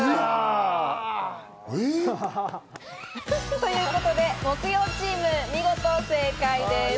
えっ？ということで木曜チーム、見事正解です！